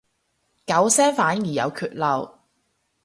九聲反而有缺漏